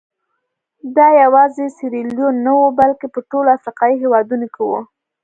دا یوازې سیریلیون نه وو بلکې په ټولو افریقایي هېوادونو کې وو.